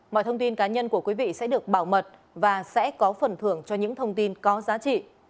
mọi thông tin cá nhân của quý vị sẽ được bảo mật và sẽ có phần thưởng cho những thông tin có giá trị